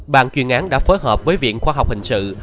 bàn chuyên án đã phối hợp với viện khoa học hình sự